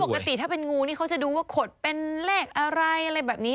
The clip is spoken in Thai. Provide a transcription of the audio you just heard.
ปกติถ้าเป็นงูนี่เขาจะดูว่าขดเป็นเลขอะไรอะไรแบบนี้